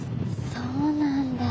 そうなんだ。